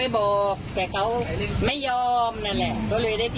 แล้วผู้โดยสรรค์ด้วยกันฮะ